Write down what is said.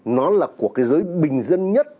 nó là của cái giới bình dân nhất